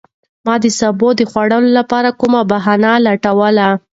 ما د سابو د خوړلو لپاره کومه بهانه لټوله.